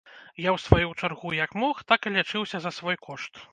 Я ў сваю чаргу як мог, так і лячыўся за свой кошт.